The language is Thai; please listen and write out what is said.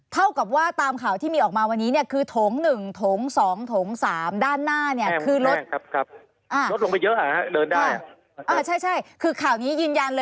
เท่ากับว่าตามข่าวที่มีออกมาวันนี้เนี่ย